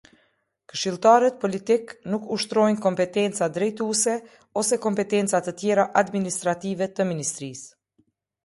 Këshilltarët politikë nuk ushtrojnë kompetenca drejtuese ose kompetenca të tjera administrative të ministrisë.